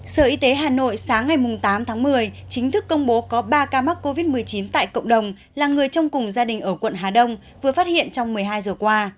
sở y tế hà nội sáng ngày tám tháng một mươi chính thức công bố có ba ca mắc covid một mươi chín tại cộng đồng là người trong cùng gia đình ở quận hà đông vừa phát hiện trong một mươi hai giờ qua